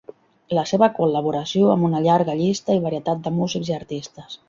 La seva col·laboració amb una llarga llista i varietat de músics i artistes.